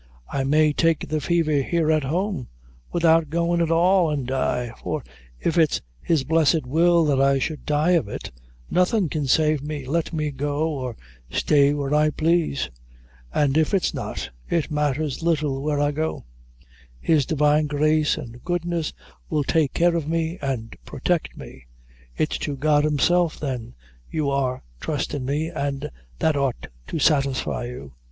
I may take the fever here at home, without goin' at all, and die; for if it's His blessed will that I should die of it, nothing can save me, let me go or stay where I plaise; and if it's not, it matthers little where I go; His divine grace and goodness will take care of me and protect me. It's to God Himself, then, you are trustin' me, an' that ought to satisfy you."